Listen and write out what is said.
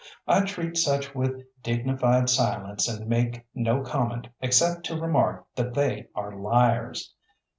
I treat such with dignified silence and make no comment except to remark that they are liars.